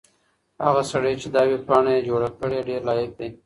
هغه سړی چې دا ویبپاڼه یې جوړه کړې ډېر لایق دی.